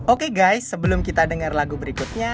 oke guys sebelum kita dengar lagu berikutnya